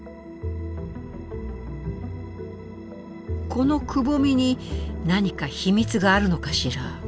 このくぼみに何か秘密があるのかしら？